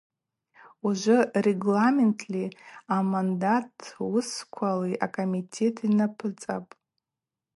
Ужвы регламентли амандат уысквали акомитет йнапӏыцӏапӏ.